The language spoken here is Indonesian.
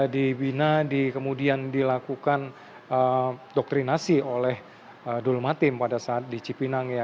dibina kemudian dilakukan doktrinasi oleh dul matim pada saat di cipinang ya